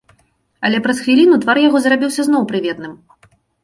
Але праз хвіліну твар яго зрабіўся зноў прыветным.